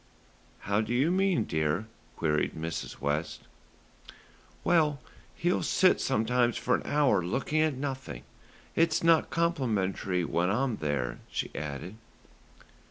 "How do you mean, dear?" queried Mrs. West. "Well, he'll sit sometimes for an hour looking at nothing. It's not complimentary when I'm there," she added.